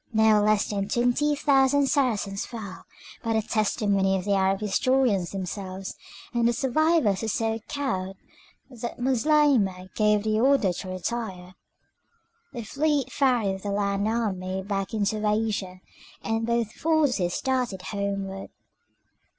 No less than twenty thousand Saracens fell, by the testimony of the Arab historians themselves, and the survivors were so cowed that Moslemah gave the order to retire. The fleet ferried the land army back into Asia, and both forces started homeward.